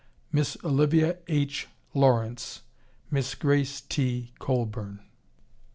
MISS OLIVIA H. LAWRENCE. MISS GRACE T. COLBURN.